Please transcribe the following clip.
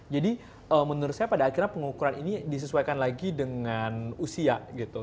jadi menurut saya pada akhirnya pengukuran ini disesuaikan lagi dengan usia gitu